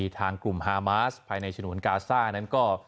ทางกลุ่มฮามาสภายในฉนวนกาซ่านั้นก็